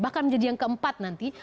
bahkan menjadi yang keempat nanti